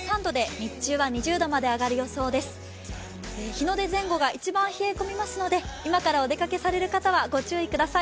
日の出前後が一番冷え込みますので、今からお出かけされる方はご注意ください。